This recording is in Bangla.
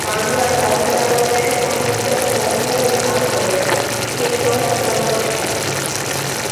বাংলার নবজাগরণের অন্যতম পুরোধা হলেন কেশবচন্দ্র সেন।